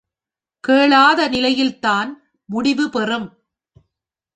கேளாத நிலையில் தான் முடிவு பெறும்.